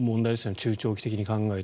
中長期的に考えて。